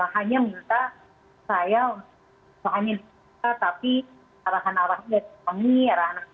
hanya minta saya soal minta tapi arahan arahnya